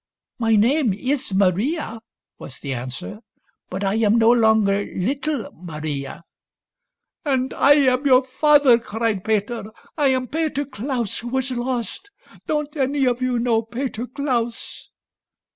" My name is Maria," was the answer, " but I am no longer little Maria." " And I am your father !" cried Peter. " I am Peter Klaus who was lost. Don't any of you know Peter Klaus